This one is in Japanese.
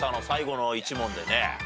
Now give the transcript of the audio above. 最後の１問でね。